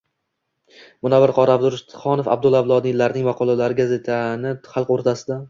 Munavvar qori Abdurashidxonov, Abdulla Avloniylarning maqolalari gazetani xalq o'rtasida